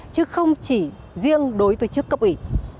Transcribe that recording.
chứ không chỉ riêng đối với chức cấp ủy